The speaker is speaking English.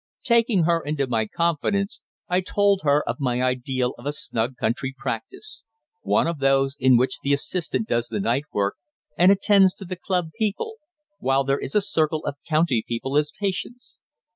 Taking her into my confidence, I told her of my ideal of a snug country practice one of those in which the assistant does the night work and attends to the club people, while there is a circle of county people as patients.